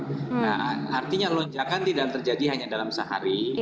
tolong ukur artinya lonjakan tidak terjadi hanya dalam sehari